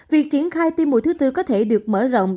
việc triển khai tiêm mũi thứ tư có thể được mở rộng